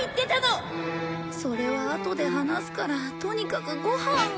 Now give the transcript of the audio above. それはあとで話すからとにかくご飯を。